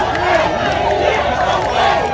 เฮียเฮียเฮีย